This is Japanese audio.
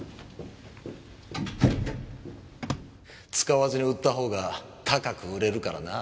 使わずに売った方が高く売れるからな。